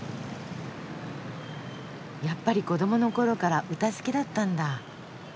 やっぱり子どものころから歌好きだったんだ。